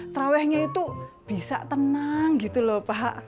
terawihnya itu bisa tenang gitu lho pak